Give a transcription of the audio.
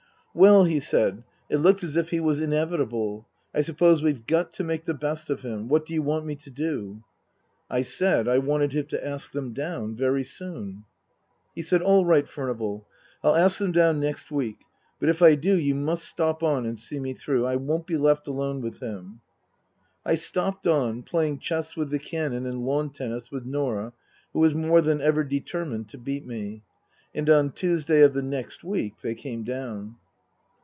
" Well," he said, " it looks as if he was inevitable. I suppose we've got to make the best of him. What do you want me to do ?" I said I wanted him to ask them down. Very soon. He said, " All right, Furnival. I'll ask them down next week. But if I do you must stop on and see me through. I won't be left alone with him." I stopped on, playing chess with the Canon and lawn tennis with Norah who was more than ever determined to beat me. And on Tuesday of the next week they came down.